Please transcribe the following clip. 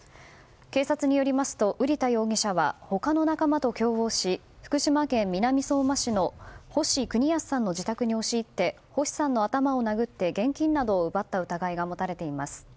警察によりますと瓜田容疑者は他の仲間と共謀し福島県南相馬市の星邦康さんの自宅に押し入って星さんの頭を殴って現金などを奪った疑いが持たれています。